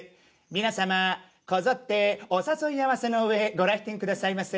皆様こぞってお誘い合わせの上ご来店くださいませ。